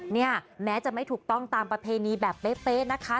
เนี่ยแม้จะไม่ถูกต้องตามประเพณีแบบเป๊ะนะคะ